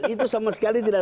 itu sama sekali tidak